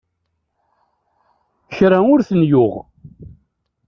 Kra ur ten-yuɣ.